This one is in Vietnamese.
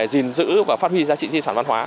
gìn giữ và phát huy giá trị di sản văn hóa